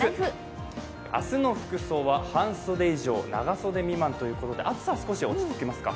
明日の服装は半袖以上長袖未満ということで暑さは少し落ち着きますか。